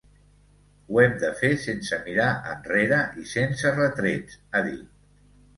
Ho hem de fer sense mirar enrere i sense retrets, ha dit.